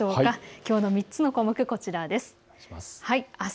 きょうの３つの項目こちらです。